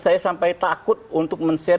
saya sampai takut untuk men share